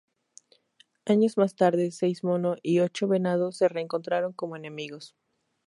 Años más tarde Seis Mono y Ocho Venado se reencontraron como enemigos.